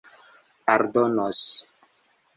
aldonos